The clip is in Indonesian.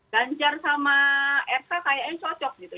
ganjar sama rk kayaknya cocok gitu